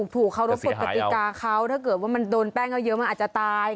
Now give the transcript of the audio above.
ถูกเคารพกฎกติกาเขาถ้าเกิดว่ามันโดนแป้งเขาเยอะมันอาจจะตาย